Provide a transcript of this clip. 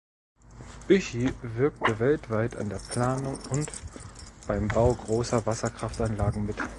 Büchi wirkte weltweit an der Planung und beim Bau grosser Wasserkraftanlagen mit.